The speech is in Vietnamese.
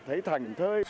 thấy thành thơi